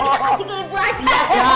berarti kita kasih ke ibu aja